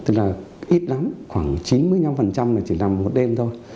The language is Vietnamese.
tức là ít lắm khoảng chín mươi năm là chỉ làm một đêm thôi